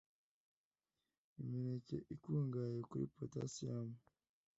Imineke ikungahaye kuri potassium